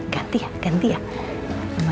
ganti ya ganti ya